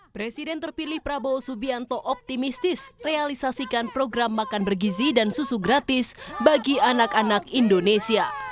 presiden terpilih prabowo subianto optimistis realisasikan program makan bergizi dan susu gratis bagi anak anak indonesia